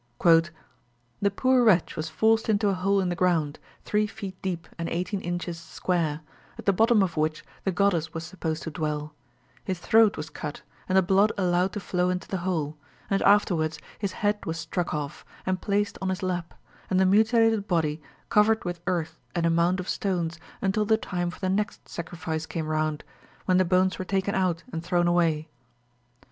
"The poor wretch was forced into a hole in the ground, three feet deep and eighteen inches square, at the bottom of which the goddess was supposed to dwell, his throat was cut, and the blood allowed to flow into the hole, and afterwards his head was struck off and placed on his lap, and the mutilated body covered with earth and a mound of stones until the time for the next sacrifice came round, when the bones were taken out and thrown away.